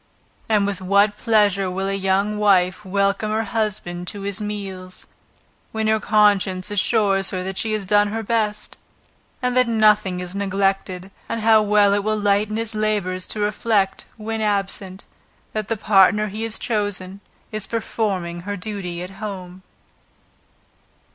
And with what pleasure will a young wife welcome her husband to his meals, when her conscience assures her that she has done her best, and that nothing is neglected; and how will it lighten his labors to reflect, when absent, that the partner he has chosen, is performing her duty at home.